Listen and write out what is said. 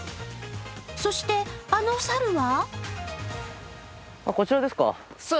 そして、あの猿は？